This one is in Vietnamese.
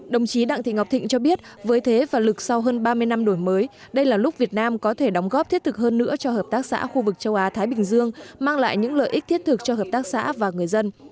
đồng chí đặng thị ngọc thịnh cho biết với thế và lực sau hơn ba mươi năm đổi mới đây là lúc việt nam có thể đóng góp thiết thực hơn nữa cho hợp tác xã khu vực châu á thái bình dương mang lại những lợi ích thiết thực cho hợp tác xã và người dân